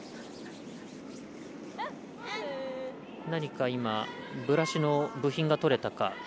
何か今ブラシの部品が取れたか。